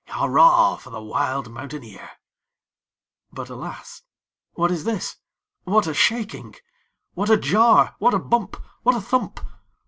Hurrah, for the wild mountaineer! But, alas! what is this? what a shaking! What a jar! what a bump! what a thump!